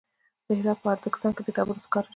د هرات په ادرسکن کې د ډبرو سکاره شته.